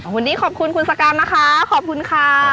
วันนี้ขอบคุณคุณสกันนะคะขอบคุณค่ะ